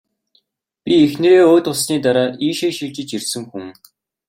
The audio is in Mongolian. Би эхнэрээ өөд болсны дараа ийшээ шилжиж ирсэн хүн.